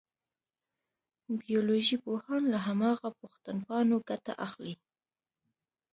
بیولوژي پوهان له هماغه پوښتنپاڼو ګټه اخلي.